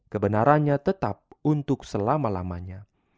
kebenarannya tetap untuk selama lamanya